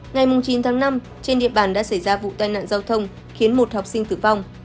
ngày chín tháng năm trên địa bàn đã xảy ra vụ tai nạn giao thông khiến một học sinh tử vong